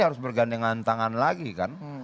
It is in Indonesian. harus bergandengan tangan lagi kan